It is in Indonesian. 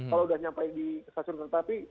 kalau sudah sampai di stasiun kereta api